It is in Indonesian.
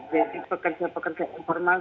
jadi pekerja pekerja informal